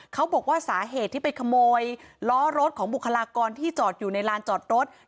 เขาบอกว่าสาเหตุที่ไปขโมยล้อรถของบุคลากรที่จอดอยู่ในลานจอดรถ